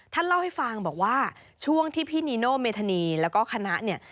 ท่านเล่าให้ฟังบอกว่าช่วงที่พี่นีโนเมธานีแล้วก็คณะเนี่ย